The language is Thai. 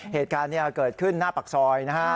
เหตุการณ์เกิดขึ้นหน้าปากซอยนะฮะ